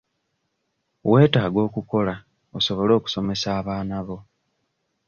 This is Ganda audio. Weetaaga okukola osobole okusomesa abaana bo.